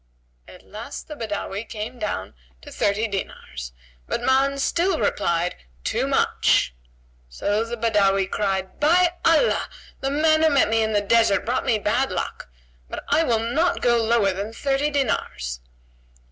At last the Badawi came down to thirty dinars; but Ma'an still replied, "Too much!" So the Badawi cried, "By Allah, the man who met me in the desert brought me bad luck! But I will not go lower than thirty dinars."